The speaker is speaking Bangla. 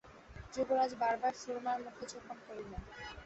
যুবরাজ বার বার সুরমার মুখচুম্বন করিলেন।